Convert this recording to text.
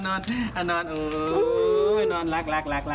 นอนนอนรัก